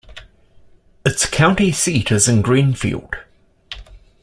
Its county seat is Greenfield.